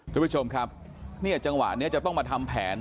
ทุกผู้ชมครับเนี่ยจังหวะนี้จะต้องมาทำแผน